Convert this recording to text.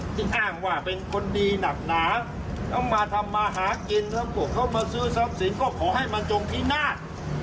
ที่อ้างว่าเป็นคนดีหนักหนามาทำมาหากินมาซื้อซ้อมสินก็ขอให้มันจงพินาศ